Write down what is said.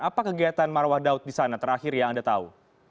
apa kegiatan marwah daud di sana terakhir yang anda tahu